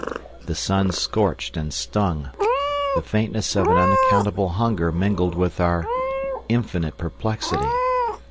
The sun scorched and stung, the faintness of an unaccountable hunger mingled with our infinite perplexity.